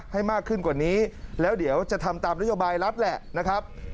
ให้มากขึ้นกว่านี้แล้วเดี๋ยวจะทำตามนโยบายรับแหละนะครับ